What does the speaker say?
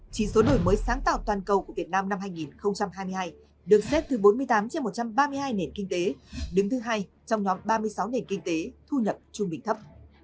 chỉ số đổi mới sáng tạo toàn cầu của việt nam năm hai nghìn hai mươi hai được xếp từ bốn mươi tám trên một trăm ba mươi hai nền kinh tế đứng thứ hai trong nhóm ba mươi sáu nền kinh tế thu nhập trung bình thấp